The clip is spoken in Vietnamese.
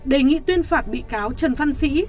đề nghị tuyên phạt bị cáo trần văn sĩ